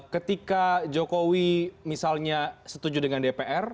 ketika jokowi misalnya setuju dengan dpr